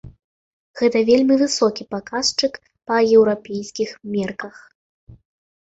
Гэта вельмі высокі паказчык па еўрапейскіх мерках.